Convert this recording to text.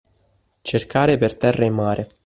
Cercare per terra e mare.